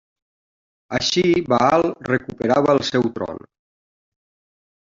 Així, Baal recuperava el seu tron.